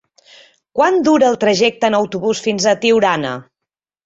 Quant dura el trajecte en autobús fins a Tiurana?